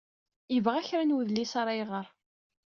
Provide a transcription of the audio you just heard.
Yebɣa kra n wedlis ara iɣeṛ.